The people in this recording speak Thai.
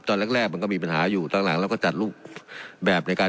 ตอนแรกแรกมันก็มีปัญหาอยู่ตอนหลังเราก็จัดรูปแบบในการ